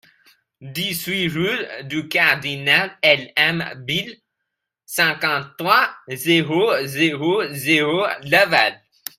dix-huit rue du Cardinal L.M Bille, cinquante-trois, zéro zéro zéro, Laval